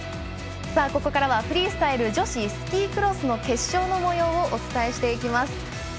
ここからはフリースタイルスキー女子スキークロス決勝のもようをお伝えしていきます。